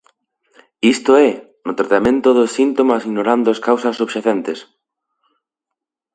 Isto é, no tratamento dos síntomas ignorando as causa subxacentes.